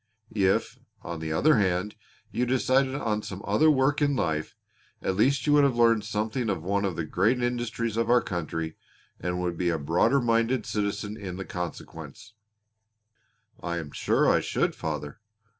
If, on the other hand, you decided on some other work in life you at least would have learned something of one of the great industries of our country and would be a broader minded citizen in consequence." "I am sure I should, father.